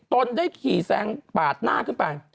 ตนได้ขี่แซงปาดหน้าขึ้นไป